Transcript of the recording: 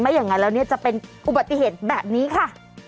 อย่างนั้นแล้วเนี่ยจะเป็นอุบัติเหตุแบบนี้ค่ะ